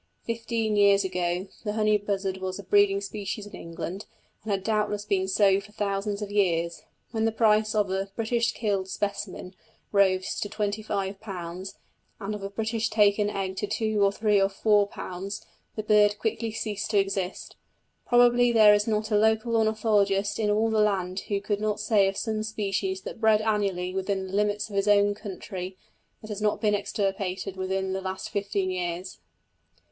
Fifteen years ago the honey buzzard was a breeding species in England, and had doubtless been so for thousands of years. When the price of a "British killed" specimen rose to £25, and of a "British taken" egg to two or three or four pounds, the bird quickly ceased to exist. Probably there is not a local ornithologist in all the land who could not say of some species that bred annually, within the limits of his own country, that it has not been extirpated within the last fifteen years.